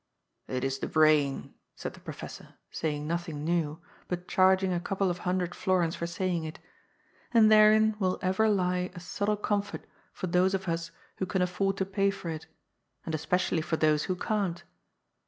" It is the brain," said the professor, saying nothing new, but charging a couple of hundred florins for saying it — and therein will ever lie a subtle comfort for those of us who can afford to pay for it, and especially for those who can't.